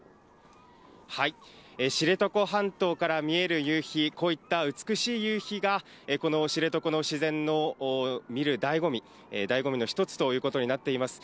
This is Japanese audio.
知床半島から見える夕日、こういった美しい夕日が、この知床の自然を見るだいご味、だいご味の一つということになっています。